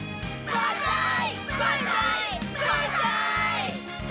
バンザーイ！